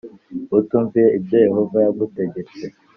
utumviye ibyo Yehova yagutegetse